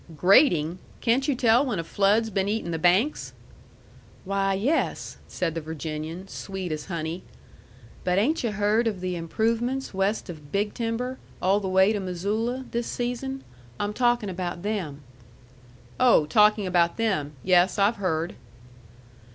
"Grading! Can't you tell when a flood's been eating the banks?" "Why, yes," said the Virginian, sweet as honey. "But 'ain't yu' heard of the improvements west of Big Timber, all the way to Missoula, this season? I'm talkin' about them." "Oh! Talking about them. Yes, I've heard."